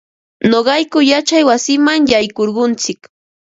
Nuqayku yachay wasiman yaykurquntsik.